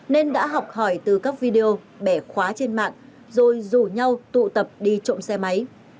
nên đã học hỏi từ các video bẻ khóa trên mạng rồi rủ nhau tụ tập đi trộm xe máy